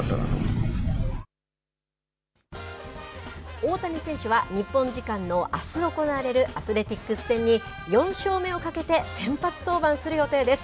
大谷選手は日本時間のあす行われるアスレティックス戦に４勝目をかけて先発登板する予定です。